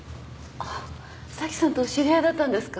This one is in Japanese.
沙希さんとお知り合いだったんですか。